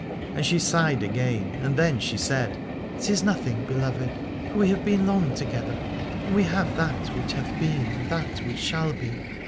And she sighed again, and then she said: It is nothing, beloved, for we have been long together, and we have that which hath been and that which shall be.